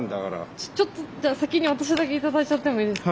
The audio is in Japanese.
ちょっとじゃあ先に私だけ頂いちゃってもいいですか。